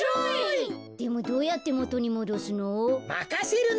でもどうやってもとにもどすの？